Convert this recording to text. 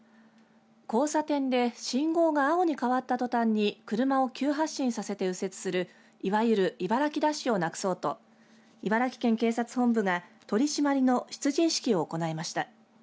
交差点で信号が青に変わったとたんに車を急発進させて右折するいわゆる茨城ダッシュをなくそうと茨城県警察本部が取り締まりの出陣式を行いました。